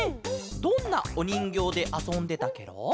どんなおにんぎょうであそんでたケロ？